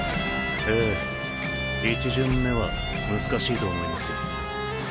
ええ一巡目は難しいと思いますよ。